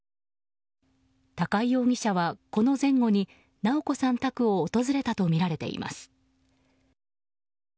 高井容疑者はこの前後に直子さん宅を訪れたとみられています。